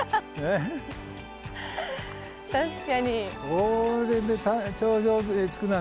確かに。